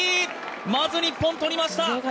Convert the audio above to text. まず日本、とりました！